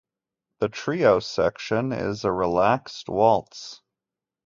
The trio section is a relaxed waltz.